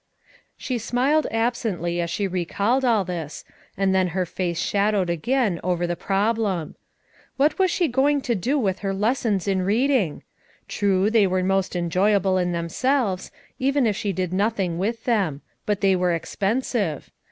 She smiled absently as she recalled all this, and then her face shadowed again over the problem. What was she going to do with her lessons in reading? True, they were most enjoyable in themselves, even if she did noth ing with them ; but they were expensive.